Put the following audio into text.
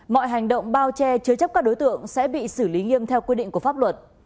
mọi hành động bao che chứa chấp các đối tượng sẽ bị xử lý nghiêm theo quy định của pháp luật